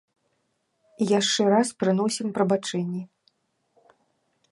Яшчэ раз прыносім прабачэнні.